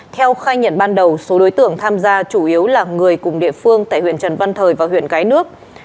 theo khai nhận ban đầu số đối tượng tham gia chủ yếu là người cùng địa phương tại huyện trần văn thời và huyện cái nước